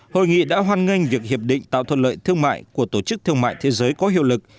hội nghị đã hoan nghênh việc hiệp định tạo thuận lợi thương mại của tổ chức thương mại thế giới có hiệu lực